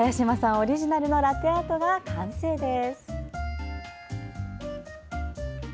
オリジナルのラテアートが完成です。